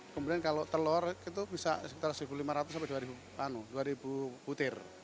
kemudian kalau telur itu bisa sekitar satu lima ratus sampai dua ribu butir